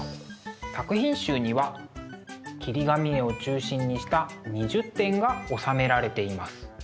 作品集には切り紙絵を中心にした２０点がおさめられています。